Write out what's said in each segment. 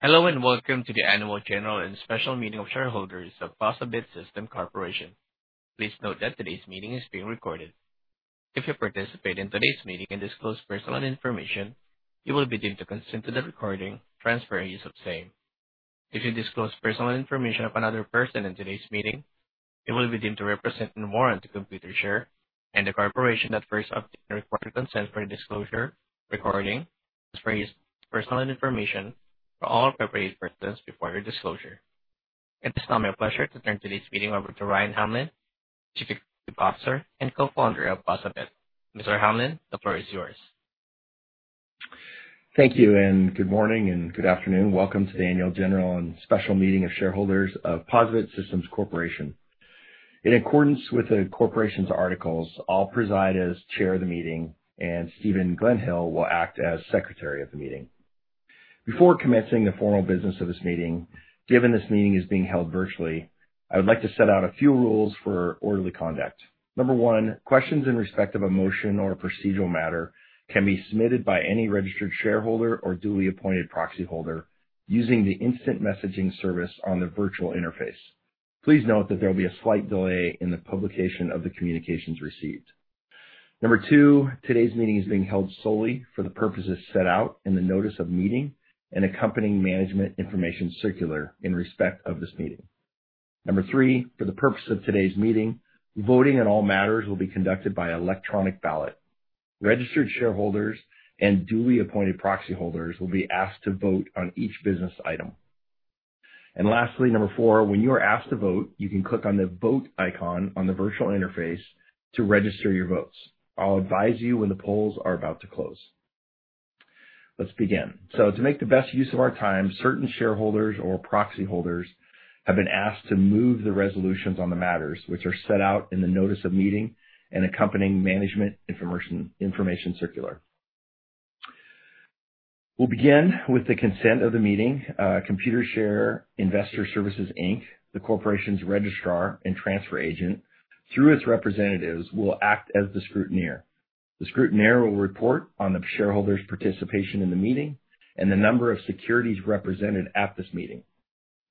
Hello, welcome to the Annual General and Special Meeting of Shareholders of POSaBIT Systems Corporation. Please note that today's meeting is being recorded. If you participate in today's meeting and disclose personal information, you will be deemed to consent to the recording, transfer, and use of same. If you disclose personal information of another person in today's meeting, it will be deemed to represent and warrant the Computershare and the corporation that first obtained required consent for the disclosure, recording, and transfer and use of personal information for all appropriate persons before your disclosure. At this time, it's my pleasure to turn today's meeting over to Ryan Hamlin, Chief Executive Officer and Co-founder of POSaBIT. Mr. Hamlin, the floor is yours. Thank you. Good morning and good afternoon. Welcome to the Annual General and Special Meeting of Shareholders of POSaBIT Systems Corporation. In accordance with the corporation's articles, I'll preside as chair of the meeting, and Stephen Gledhill will act as secretary of the meeting. Before commencing the formal business of this meeting, given this meeting is being held virtually, I would like to set out a few rules for orderly conduct. Number one, questions in respect of a motion or a procedural matter can be submitted by any registered shareholder or duly appointed proxyholder using the instant messaging service on the virtual interface. Please note that there will be a slight delay in the publication of the communications received. Number two, today's meeting is being held solely for the purposes set out in the notice of meeting and accompanying management information circular in respect of this meeting. Number three, for the purpose of today's meeting, voting on all matters will be conducted by electronic ballot. Registered shareholders and duly appointed proxyholders will be asked to vote on each business item. Lastly, number four, when you are asked to vote, you can click on the Vote icon on the virtual interface to register your votes. I'll advise you when the polls are about to close. Let's begin. To make the best use of our time, certain shareholders or proxyholders have been asked to move the resolutions on the matters which are set out in the notice of meeting and accompanying management information circular. We'll begin with the consent of the meeting. Computershare Investor Services Inc., the corporation's registrar and transfer agent, through its representatives, will act as the scrutineer. The scrutineer will report on the shareholders' participation in the meeting and the number of securities represented at this meeting,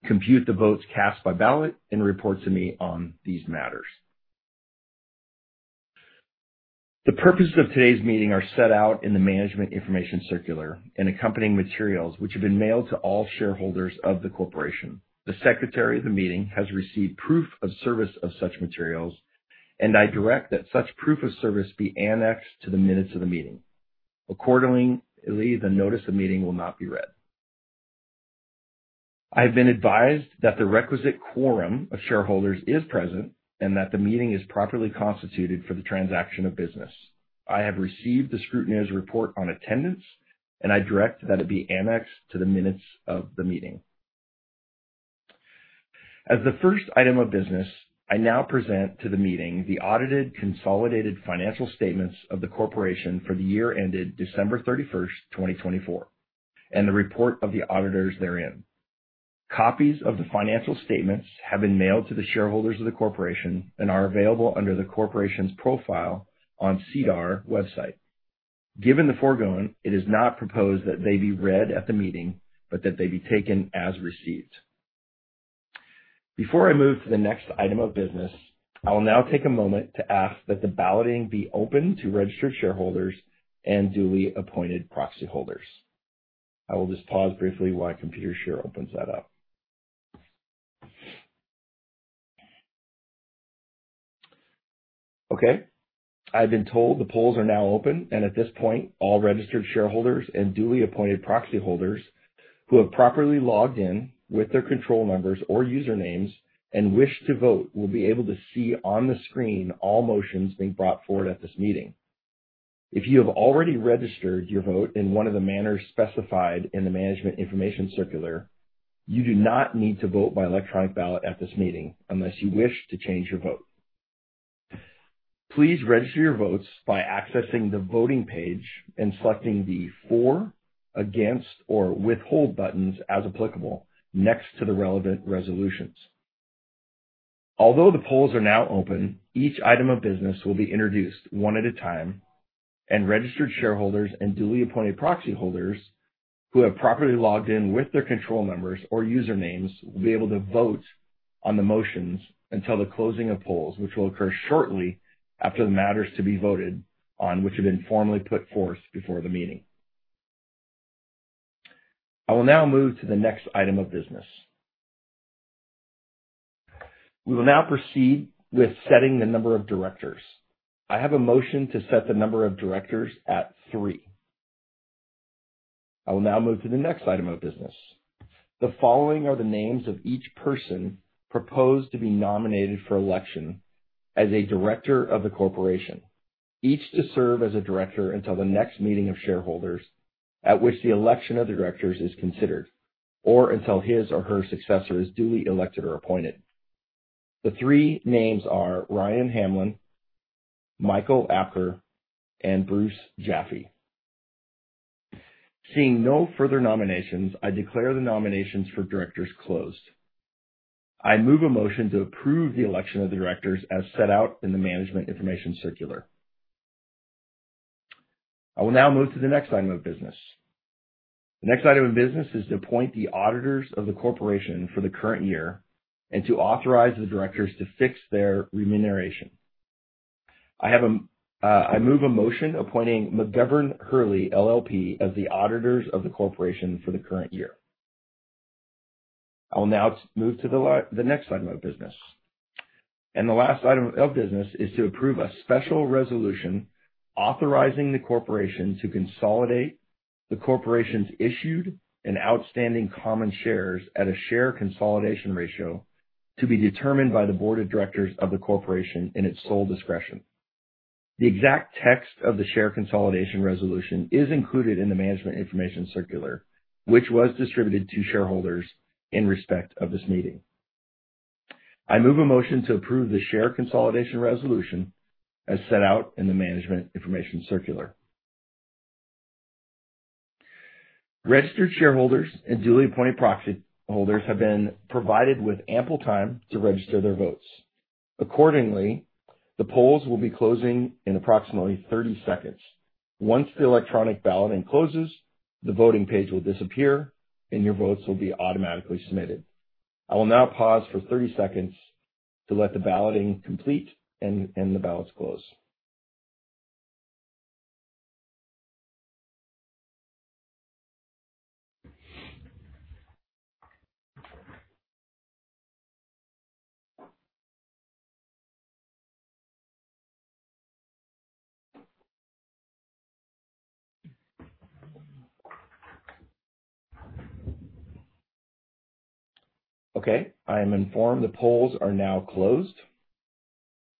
compute the votes cast by ballot, and report to me on these matters. The purposes of today's meeting are set out in the management information circular and accompanying materials, which have been mailed to all shareholders of the corporation. The secretary of the meeting has received proof of service of such materials, and I direct that such proof of service be annexed to the minutes of the meeting. Accordingly, the notice of meeting will not be read. I have been advised that the requisite quorum of shareholders is present and that the meeting is properly constituted for the transaction of business. I have received the scrutineer's report on attendance, and I direct that it be annexed to the minutes of the meeting. As the first item of business, I now present to the meeting the audited consolidated financial statements of the corporation for the year ended December 31st, 2024, and the report of the auditors therein. Copies of the financial statements have been mailed to the shareholders of the corporation and are available under the corporation's profile on SEDAR website. Given the foregoing, it is not proposed that they be read at the meeting, but that they be taken as received. Before I move to the next item of business, I will now take a moment to ask that the balloting be opened to registered shareholders and duly appointed proxyholders. I will just pause briefly while Computershare opens that up. Okay. I've been told the polls are now open, and at this point, all registered shareholders and duly appointed proxyholders who have properly logged in with their control numbers or usernames and wish to vote will be able to see on the screen all motions being brought forward at this meeting. If you have already registered your vote in one of the manners specified in the management information circular, you do not need to vote by electronic ballot at this meeting unless you wish to change your vote. Please register your votes by accessing the voting page and selecting the For, Against, or Withhold buttons as applicable next to the relevant resolutions. Although the polls are now open, each item of business will be introduced one at a time. Registered shareholders and duly appointed proxyholders who have properly logged in with their control numbers or usernames will be able to vote on the motions until the closing of polls, which will occur shortly after the matters to be voted on which have been formally put forth before the meeting. I will now move to the next item of business. We will now proceed with setting the number of directors. I have a motion to set the number of directors at three. I will now move to the next item of business. The following are the names of each person proposed to be nominated for election as a director of the corporation, each to serve as a director until the next meeting of shareholders at which the election of the directors is considered or until his or her successor is duly elected or appointed. The three names are Ryan Hamlin, Michael Apker, and Bruce Jaffe. Seeing no further nominations, I declare the nominations for directors closed. I move a motion to approve the election of the directors as set out in the management information circular. I will now move to the next item of business. The next item of business is to appoint the auditors of the corporation for the current year and to authorize the directors to fix their remuneration. I move a motion appointing McGovern Hurley LLP as the auditors of the corporation for the current year. I will now move to the next item of business. The last item of business is to approve a special resolution authorizing the corporation to consolidate the corporation's issued and outstanding common shares at a share consolidation ratio to be determined by the board of directors of the corporation in its sole discretion. The exact text of the share consolidation resolution is included in the management information circular, which was distributed to shareholders in respect of this meeting. I move a motion to approve the share consolidation resolution as set out in the management information circular. Registered shareholders and duly appointed proxy holders have been provided with ample time to register their votes. Accordingly, the polls will be closing in approximately 30 seconds. Once the electronic balloting closes, the voting page will disappear and your votes will be automatically submitted. I will now pause for 30 seconds to let the balloting complete and the ballots close. Okay, I am informed the polls are now closed.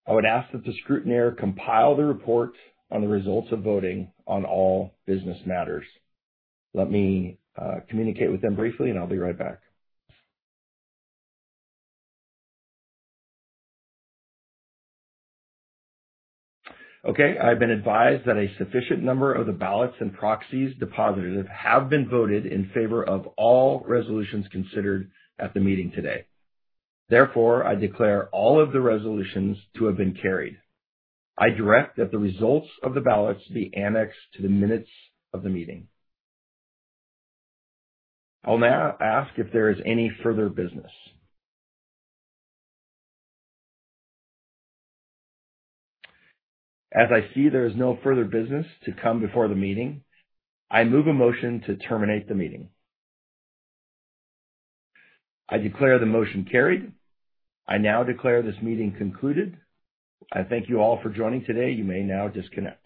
I would ask that the scrutineer compile the report on the results of voting on all business matters. Let me communicate with them briefly and I'll be right back. Okay, I've been advised that a sufficient number of the ballots and proxies deposited have been voted in favor of all resolutions considered at the meeting today. Therefore, I declare all of the resolutions to have been carried. I direct that the results of the ballots be annexed to the minutes of the meeting. I'll now ask if there is any further business. As I see there is no further business to come before the meeting, I move a motion to terminate the meeting. I declare the motion carried. I now declare this meeting concluded. I thank you all for joining today. You may now disconnect.